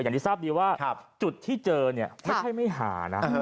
อย่างที่ทราบดีว่าจุดที่เจอเนี่ยไม่ใช่ไม่หานะ